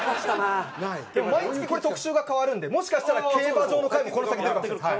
毎月これ特集が変わるのでもしかしたら競馬場の回もこの先出るかもしれないです。